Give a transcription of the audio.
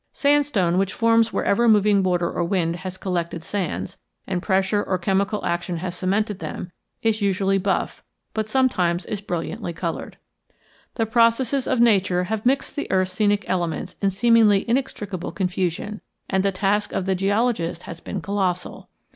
Sandstone, which forms wherever moving water or wind has collected sands, and pressure or chemical action has cemented them, is usually buff, but sometimes is brilliantly colored. The processes of Nature have mixed the earth's scenic elements in seemingly inextricable confusion, and the task of the geologist has been colossal.